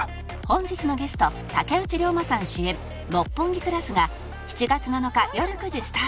本日のゲスト竹内涼真さん主演『六本木クラス』が７月７日よる９時スタート